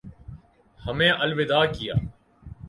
ہمیں الوداع کیا